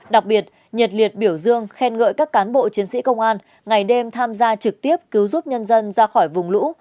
đặc biệt nhiệt liệt biểu dương khen ngợi các cán bộ chiến sĩ công an ngày đêm tham gia trực tiếp cứu giúp nhân dân ra khỏi vùng lũ